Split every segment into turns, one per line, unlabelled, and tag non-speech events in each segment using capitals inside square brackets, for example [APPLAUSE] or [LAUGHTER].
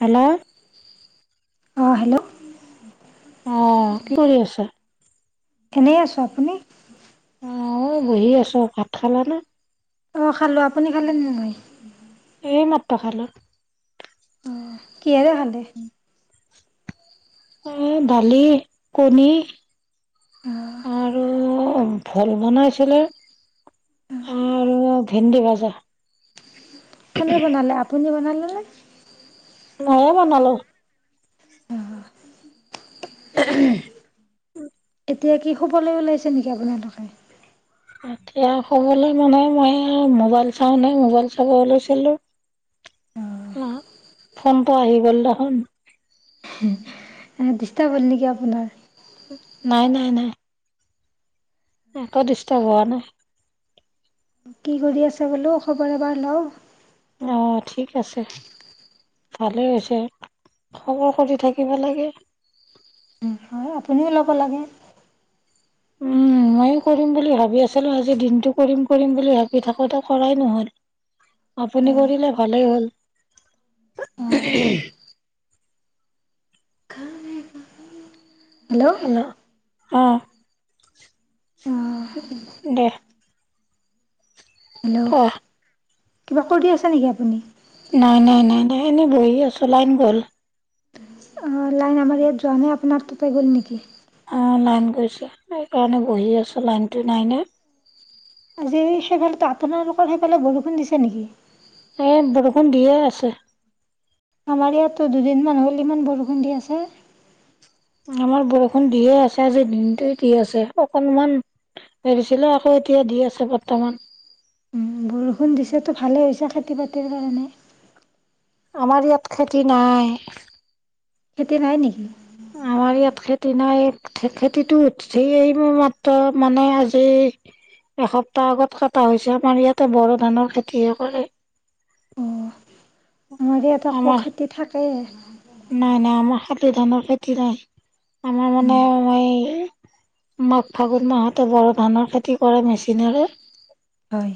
Hello,
অহ', hello,
অ কি কৰি আছা?
এনে আছো, আপুনি?
অহ ', বহি আছো ভাত খালা নে?
অহ ', খালো আপুনি খালে নে নাই?
এই মাত্ৰ খালো।
অঁ কিহেৰে খালে?
এ দালি, কণী।
অঁ
আৰু ভল বনাইছিলে আৰু ভেন্দি ভাজা।
কোনে বনালে, আপুনি বনালে নে? [UNINTELLIGIBLE]
মইয়ে বনালো।
অঁ
[UNINTELLIGIBLE]
এতিয়া কি শুবলৈ ওলাইছে নেকি আপোনালোকে?
এতিয়া হবলৈ মানে মই আৰু মোবাইল চাওঁনে মোবাইল চাব লৈছিলো, ফোনটো আহি গ'ল দেখোন।
ডিষ্টাৰ্ব হ'ল নেকি আপোনাৰ?
নাই- নাই- নাই। একো ডিষ্টাৰ্ব হোৱা নাই।
কি কৰি আছা বোলো খবৰ এবাৰ লও।
অ ঠিক আছে ভালেই হৈছে, খবৰ কৰি থাকিব লাগে।
হয়, আপুনিও ল'ব লাগে।
উম, মইয়ো কৰিম বুলি ভাবি আছিলোঁ। আজি দিনটো কৰিম কৰিম বুলি ভাবি থাকোতে কৰাই নহ'ল। আপুনি কৰিলে ভালেই হ'ল।
অঁ
হেল্ল' উম। দেহ
হেল্ল'
কোৱা
কিবা কৰি আছে নেকি আপুনি
নাই, নাই, নাই, নাই এনে বহি বহি আছোঁ লাইন গ'ল।
লাইন আমাৰ ইয়াত যোৱা নাই, আপোনাৰ তাতে গ'ল নেকি?
অ' লাইন গৈছে, সেইকাৰণে বহি আছোঁ লাইনটো নাই না।
আজি ছেভেন টাৰ আপোনালোকৰ সেইফালে বৰষুণ দিছে নেকি?
ইয়াত বৰষুণ দিয়ে আছে।
আমাৰ ইয়াতো দুদিনমান হ'ল ইমান বৰষুণ দি আছে।
আমাৰ বৰষুণ দিয়ে আছে। আজি দিনটো দি আছে। অকণমান এৰিছিলে, আকৌ এতিয়া দি আছে, বৰ্তমান
উম, বৰষুণ দিছেতো, ভালে হৈছে, খেতি-বাতিৰ কাৰণে।
আমাৰ ইয়াত খেতি নাই।
খেতি নাই নেকি?
আমাৰ ইয়াত খেতি নাই। খেতিটো উঠিছে মাত্ৰ মানে, আজি এসপ্তাহ আগত কটা হৈছে। আমাৰ ইয়াতে বড়ো ধানৰ খেতিহে কৰে।
অ আমাৰ ইয়াত আকৌ
আমাৰ
খেতি থাকে।
সেইটো ধানৰ খেতি নাই। আমাৰ মানে এই মাঘ-ফাগুন মাহতে বড়ো ধানৰ খেতি কৰে, মেচিনেৰে
হয়।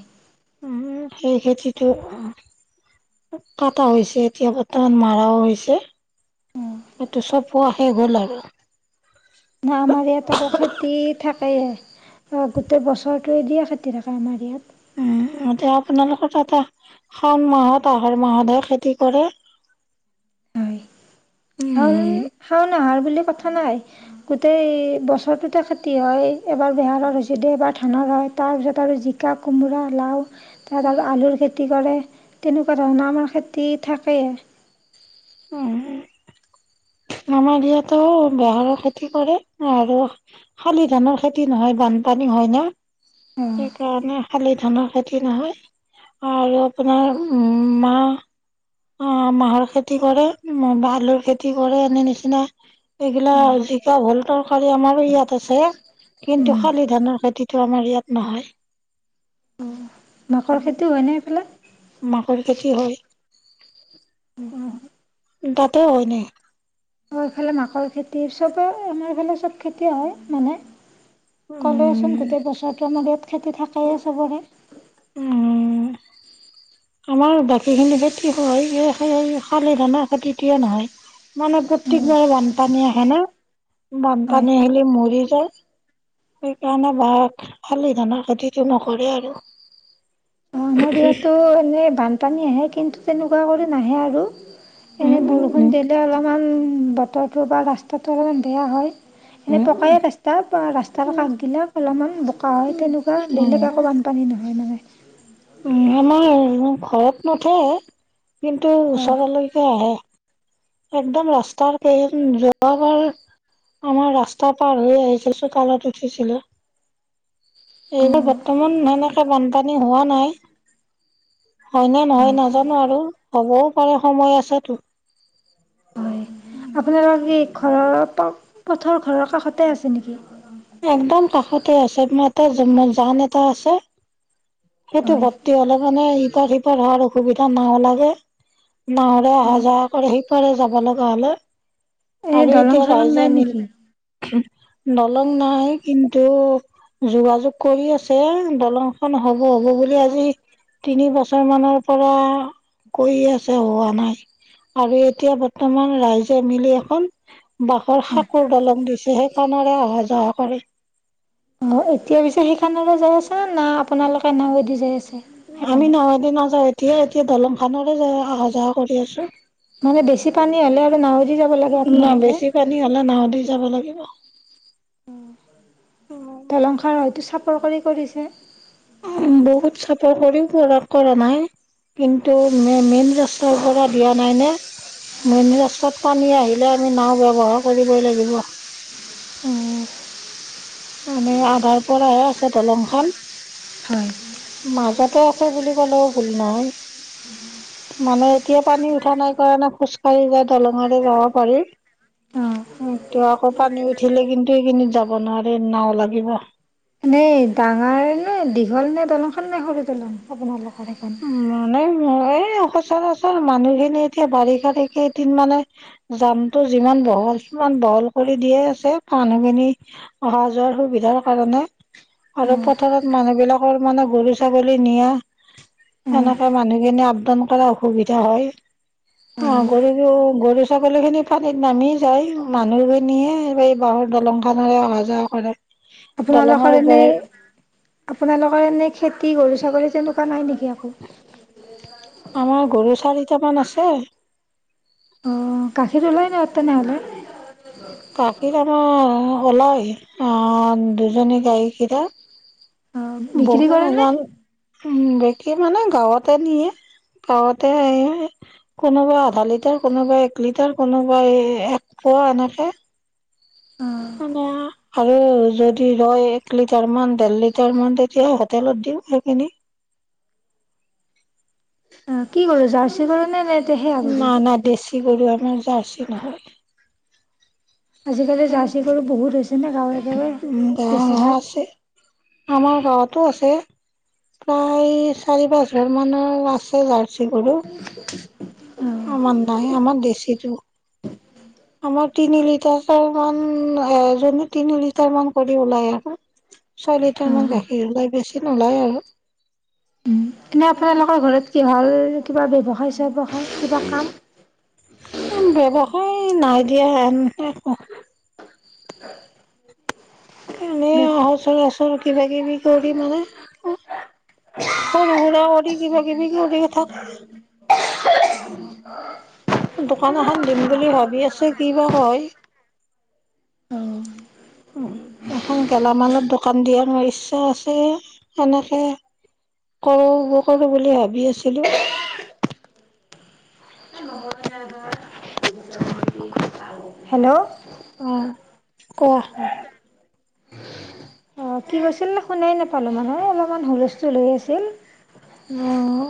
উম সেই খেতিটো, কটা হৈছে এতিয়া বৰ্তমান মাৰাও হৈছে। এইটো চব
না আমাৰ ইয়াত আকৌ খেতি থাক কে। অ', গোটেই বছৰত সেইটো দিয়ে খেতি ৰাখে আমাৰ ইয়াত
উম এতিয়া আপোনালোকৰ তাতে, শাওণ মাহত, আহাৰ মাহতহে খেতি কৰে, উম,
শাওণ, আহাৰ বুলি কথা নাই। গোটেই বছৰটোতেই খেতি তি হয়, এবাৰ বেহাৰৰ হৈছে দে এবাৰ ধানৰ হয তাৰপিছত আৰু জিকা, কোমোৰা, লাও তাত আৰু আলুৰ খেতি তি কৰে, তেনেকুৱা ধৰণৰ আমাৰ খেতি থাকেই।
উম, আমাৰ ইয়াতো বেহাৰৰ খেতি কৰে, আৰু, শালি ধানৰ খেতি নহয় বানপানী হয় না।
অ
সেইকাৰণে শালি ধানৰ খেতি নহয়, আৰু তোমাৰ উম, মাহ আহ, মাহৰ খেতি কৰে, বা আলুৰ খেতি কৰে এনে নিচিনা, এইগিলা
অ
জিকা, ভোলটো কৰে আমাৰ ইয়াত আছে, কিন্তু
উম
শালি ধানৰ খেতিটো আমাৰ ইয়াত নহয়।
মাকৈ খেতিও হয় নে, এইফালে?
মাকৈৰ খেতি হয়। উম। তাতে হয়নে?
আৰু, এইফালে মাকৈৰ খেতি চবেই। আমাৰ এইফালে, চব খেতি হয়, মানে কলোৱেইচোন।
উম
গোটেই বছৰটো, আমাৰ ইয়াত খেতি থাকে সেইয়া চুবুৰীৰ
উম। আমাৰ বাকীখিনি খেতি হয়। সেই, সেই শালি ধানৰ খেতিটোৱেই নহয়। মানে,
উম
প্ৰত্যেকবাৰে বানপানী আহে, ন?
হয়
বানপানী আহিলে মৰি যায় সেইকাৰণে বাঘ, শালি ধানৰ খেতিটো নকৰে, আৰু
অ আমাৰ ইয়াতো এনে বান পানী আহে কিন্তু তেনেকুৱা কৰি নাহে আৰু
উম,
এনে বৰষুণ
উম,
দিলে অলপমান বতৰটো বা ৰাস্তাটো অলপমান বেয়া হয়। এনেই
উম,
পকায়ে
উম,
ৰাস্তা ৰাস্তাৰ কাষগিলা অলপমান বোকা হয় তেনেকুৱা
উম।
বেলেগ
উম,
একো বানপানী নহয় মানে
উ আমাৰ ঘৰত নথয় কিন্তু
অ
ওচৰলৈকে আহে। একদম ৰাস্তাৰ এ যোৱাবাৰ আমাৰ ৰাস্তা পাৰ হৈ আহিছিল চোতালত উঠিছিল
অ
এইটো বৰ্তমান নাই নাই বানপানী হোৱা নাই হয়নে নহয়
হয়
নাজানো আৰু হ'বও পাৰে সময় আছেতোঁ
হয় আপোনালোকৰ কি ঘৰ প পথৰ ঘৰৰ কাষতে আছে নেকি
একদম কাষতে আছে ম [INAUDIBLE] এ যান এটা আছে সেইটো
হয়
ভৰ্তি হলে মানে ইপাৰ সিপাৰ হোৱাৰ অসুবিধা নাও লাগে নাৱৰে অহা যোৱা কৰে সিপাৰে যাব লগা হলে
এই
আৰু
দলং
এতিয়া
চলং নাই
ৰাইজে
নেকি?
মিল নলং নাই কিন্তু যোগাযোগ কৰি আছে দলংখন হ'ব হ'ব বুলি আজি তিনি বছৰ মানৰ পৰা কৈ আছে হোৱা নাই আৰু এতিয়া বৰ্তমান ৰাইজে মিলি এখন বাহৰ সাঁকোৰ দলং দিছে সেইখণৰে অহা যহা কৰে
অ এতিয়া পিছেত সেইখানৰে যাই আছে ন না আপোনালোকে নাওদি যাই আছে
আমি
সেইফালে?
নাৱেদি নাযাও এতিয়া এই দলং খনৰে য অহা যোৱা কৰি আছো
মানে বেছি পানী হলে আৰু নাৱদি যাব লাগে
ন
আপোনালোকে
অ উ [INAUDIBLE]
দলং সাৰ হয়তো চাপৰ কৰি কৰিছে।
উ বহুত চাপৰ কৰিও পৰা কৰা নাই কিন্তু মেইন ৰাষ্টাৰ পৰা দিয়া নাইনে মানে ৰাস্তাত পানী আহিলে আমি নাও ব্যৱহাৰ কৰিবই লাগিব।
[INAUDIBLE] উম।
মানে আধাৰ পৰাহে আছে দলং খন
হয়।
মাজতে আছে বুলি কলেও ভুল নহয় মানে এতিয়া পানী উঠা নাই কাৰণে খোজ কঢ়ি যায় দলঙৰে যাব পাৰি।
অ'
টো আকৌ পানী উঠিলে কিন্তু সেইখিনিত যাব নোৱাৰে নাও লা লাগিব
এনে ডাঙৰ নে দীঘল নে দলংখন নে সৰু দলং আপোনালোক
মানে মই সচৰাচৰ মানুহ খিনি এতিয়া বাৰিষাৰ কেইদিন মানে জামটো যিমান বহল সিমান বহল কৰি দিয়ে আছে মানুহখিনি অহা যোৱাৰ সুবিধাৰ কাৰণে আৰু পথাৰত মানুহ বিলাকৰ মানে গৰু ছাগলী নিয়া
অ'
হেনেকে মানুহখিনি আপদন অসুবিধা হয়। অ গৰু বি গৰু ছাগলী খিনি পানীত নামি যায়। মানুহ খিনিয়ে এই এই বাঁহৰ দলং খানৰে অহা যোৱা কৰে
আপোনালোকৰ
দলঙৰ
এনে
ওপৰে
আপোনালোকৰ এনে খেতি গৰু, ছাগলী তেনেকুৱা নাই নেকি আকৌ?
আমাৰ গৰু চাৰিটা মান আছে ছে
উম গাখীৰ ওলাই ন তেনেহ'লে?
গাখীৰ আমাৰ উলাই অ' দুজনী গায়কেইটা
অ বিক্ৰী কৰে নে?
উ বিকি মানে গাঁৱতে নিয়ে গাঁৱতে কোনোবা আধা লিটাৰ কোনোবা এক লিটাৰ কোনোবাই এক পোৱা এনেকে
অ'
মানে আৰু যদি ৰয় এক লিটাৰ মান দেৰ লিটাৰ মান তেতিয়া হোটেলত দিও সেইখিনি
অ কি [INAUDIBLE] নে সেয়া কৰো
নাই না দেছি গৰু আমাৰ জাৰ্চি [UNINTELLIGIBLE] নহয়
আজিকালি জাৰ্চী গৰু বহুত হৈছে ন গাঁৱে-গাঁৱে
গাঁৱৰ
বেছিভাগ,
গাওঁতো আছে, প্ৰায় চাৰি পাঁচঘাৰ মানৰ আছে জাৰ্চি গৰু।
অ
আমাৰ নাই আমাৰ দেচিটো আমাৰ তিনি লিটাৰ মান এজন তিনি লিটাৰ মান কৰি ওলাই আৰু ছয়
অ
লিটাৰ মান গাখীৰ ওলাই বেছি নোলায় আৰু।
উম এনে আপোনালোকৰ ঘৰত কিহক কিবা ব্যৱসায় ব্যৱসায় কিবা কাম?
এই নাই দিয়া হন এনেই [INAUDIBLE] কিবা-কিবি কৰি মানে সৰু সুৰা কৰি কিবা কিবি কৰি থাক দোকান এখন দিম বুলি ভাবি আছো কি বা হয়।
অ
উ এখন গেলামালৰ দোকান দিয়া মোৰ ইচ্ছা আছে, হেনেকে কৰো নকৰো বুলি ভাবি আছিলো। নহয়।
হেল্ল'
অহ ক।
অহ কি কৈছিল নে শুনাই নাপ। পালো এই আমানা হুলস্থুল হৈ আছিল।
অহ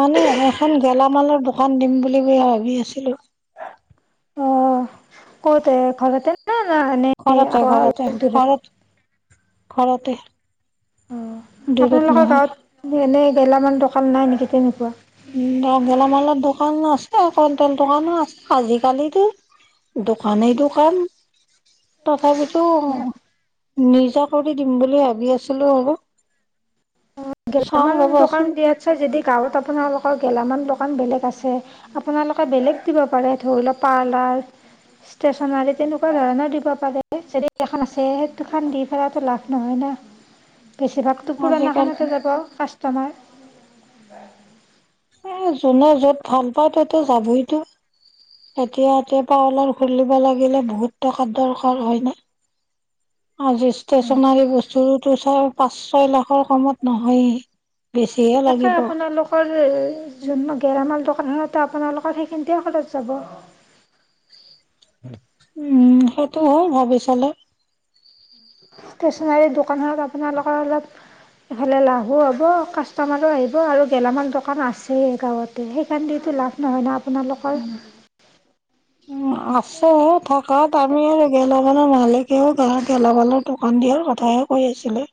মানে এখন গেলামালৰ দোকান দিম বুলি মই ভাবি আছিলোঁ।
কতে ঘৰততে না-না নে
ঘৰতে ঘৰতে
অলপ দূৰত।
ঘৰত ঘৰতে।
অহ
দূৰত
আপোনালোকৰ
নহয়
গাঁৱত এনে গেলামান দোকান নাই নেকি। তেনেকুৱা?
উম গেলামালৰ দোকান আছে। এ কুণ্টেল দোকানো আছে। আজিকালিতো দোকানেই দোকানেই, তথাপিতো।
উম।
নিজক। কৰি দিম বুলি ভাবি আছিলো ৰব চাওঁ
গেলামাল
ৰবাচোন।
বাৰু গেলামান দোকান বেলেগ আছে আপোনালোকে বেলেগ দিব পাৰে ধৰি লওঁক পাৰ্লাৰ, ষ্টেশচনাৰী তেনেকুৱা ধৰণৰ দিব পাৰে যদি এখন আছে সেই দুখন দি পেলাই লাভ। নহয় না। বেছিভাগতো পুৰণা
আজিকালি
খানতে যাব কাচ তোমাৰ
এই যোনে য'ত ভাল পায় তাতটো যাবইতো, এতিয়া এতিয়া পাউলাৰ খুলিব লাগিলে বহুত টকাৰ দৰকাৰ হয় না। আজি ষ্টেৰচনাৰী বস্তুতো চ'ব পাঁচ ছয় লাখৰ কমত নহয়েই। বেছিহে
তাতে
লাগিব
আপোনালোকৰ যে যোন গেৰামাল দোকা সাধাৰতে আপোনালোকৰ সেইখিনিতে খৰছ যাব।
উম, সেইটো হয় ভাবি চালে।
ষ্টেচনাৰীৰ দোকান খনত আপ আপোনালোকৰ অলপ হ'লে লাভো হ'ব কাষ্টমাৰো আহিব আৰু গেলামাল দোকান আছেই গাঁৱতে সেইখন দি টোৰ লাভ নহয় না। আপোনালোকৰ
উম, উম আছে থকাত আমি আৰু গেলামালৰ মালিকেও গাওঁত গেলামালৰ দোকান দিয়াৰ কথাহে কৈ আছিলে।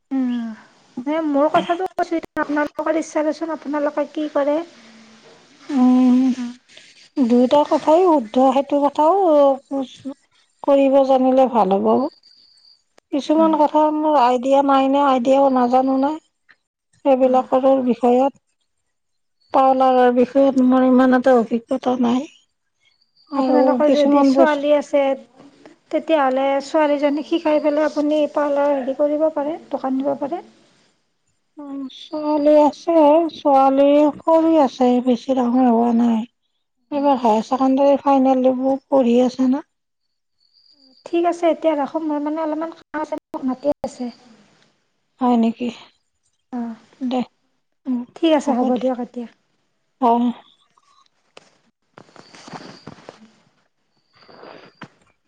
[UNINTELLIGIBLE]
মানে মোৰ কথাটো কৈছোঁ। এতিয়া আপোনালোকৰ ইচ্ছা দেচোন আপো আপোনালোকে কি কৰে?
উম, দুয়োটা কথাই শুদ্ধ, সেইটো কথাও কৰিব জানিলে ভাল হ'ব, কিছুমান কথা মোৰ আইডিয়া নাই না। এতিয়াও নাজানো নে? এইবিলাকৰ বিষয়ত। পাউলাৰৰ বিষয়ত মোৰ ইমান এটা অভিজ্ঞতা নাই আৰু
আপোনালোকৰ যদি
কিছুমান
ছোৱালী
বস্তু।
ছোৱালী জনিক শিকাই পেলাই আপুনি পাৰ্লাৰ ৰেদি কৰিব পাৰে দোকান দিব পাৰে।
অঁ ছোৱালী আছে ছোৱালী সৰু আছে বেছি ডাঙৰ হোৱা নাই, এইবাৰ হায় চকেণ্ডাৰী ফাইনেল দিব পঢ়ি আছে না।
ঠিক আছে এতিয়া ৰাখোঁ। মোৰ মানে অলপমান কাম আছে, মোক মাতি আছে।
হয় নেকি?
অঁ
দে উম
ঠিক আছে
হ'ব দে
দিয়ক এতিয়া
অহ। [INAUDIBLE]